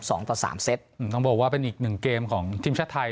สองต่อสามเซตอืมต้องบอกว่าเป็นอีกหนึ่งเกมของทีมชาติไทย